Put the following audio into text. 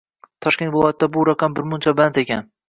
Toshkent viloyatida bu raqam birmuncha baland ekan